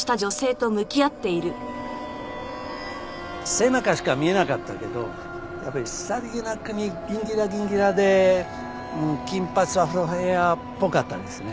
背中しか見えなかったけどやっぱりさりげなくにギンギラギンギラで金髪アフロヘアっぽかったですね。